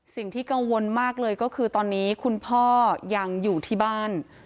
สิ่งที่กังวลมากเลยก็คือตอนนี้คุณพ่อยังอยู่ที่บ้าน